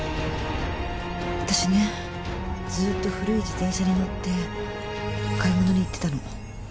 私ねずっと古い自転車に乗って買い物に行ってたの。